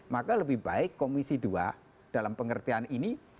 maka lebih baik komisi dua dalam pengertian ini